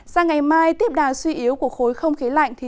sang ngày mai tiếp đà suy yếu của khối không khí lạnh